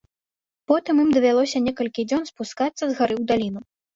Потым ім давялося некалькі дзён спускацца з гары ў даліну.